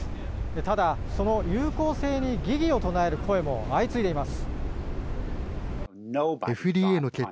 ただ、その有効性に疑義を唱える声も相次いでいます。